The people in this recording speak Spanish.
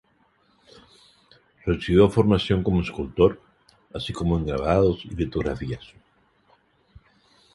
Recibió formación como escultor, así como en grabados y litografías.